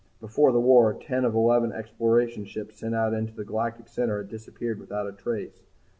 Before the War, ten of eleven exploration ships sent into the galactic center had disappeared without a trace.